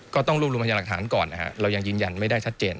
ก็ต้องรวบรวมพยานหลักฐานก่อนนะฮะเรายังยืนยันไม่ได้ชัดเจน